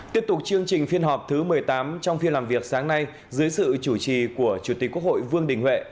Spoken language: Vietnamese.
tiếp tục chương trình phiên họp thứ một mươi tám trong phiên làm việc sáng nay dưới sự chủ trì của chủ tịch quốc hội vương đình huệ